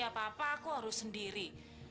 gak apa apa aku harus sendiri